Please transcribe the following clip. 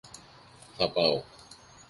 Θα πάω!